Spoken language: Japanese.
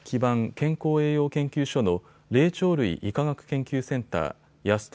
・健康・栄養研究所の霊長類医科学研究センター保富